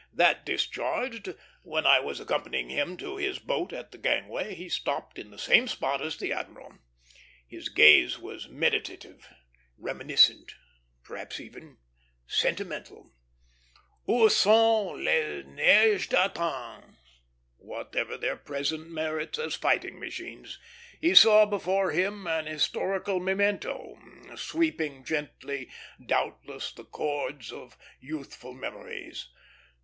That discharged, when I was accompanying him to his boat at the gangway, he stopped in the same spot as the admiral. His gaze was meditative, reminiscent, perhaps even sentimental. "Où sont les neiges d'antan?" Whatever their present merits as fighting machines, he saw before him an historical memento, sweeping gently, doubtless, the chords of youthful memories.